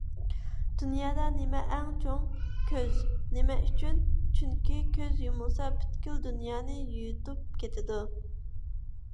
_ دۇنيادا نېمە ئەڭ چوڭ؟ _ كۆز. _ نېمە ئۈچۈن؟ _ چۈنكى كۆز يۇمۇلسا، پۈتكۈل دۇنيانى يۇتۇپ كېتىدۇ